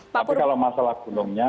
tapi kalau masalah gunungnya